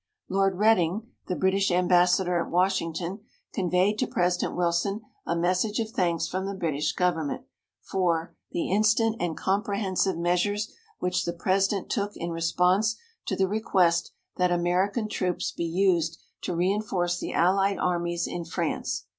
Lord Reading, the British Ambassador at Washington, conveyed to President Wilson a message of thanks from the British Government, for "the instant and comprehensive measures" which the President took in response to the request that American troops be used to reinforce the Allied armies in France.